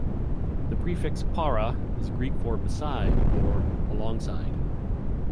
The prefix "para," is Greek for "beside," or "alongside.